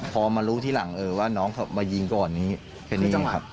พอมารู้ที่หลังว่าน้องเขาไปยิงก่อนแค่นี้ครับ